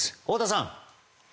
太田さん。